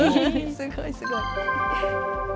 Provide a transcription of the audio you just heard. すごいすごい。